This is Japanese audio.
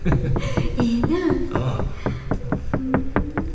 ええなぁ。